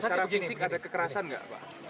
secara fisik ada kekerasan nggak pak